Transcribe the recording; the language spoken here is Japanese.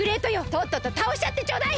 とっととたおしちゃってちょうだい！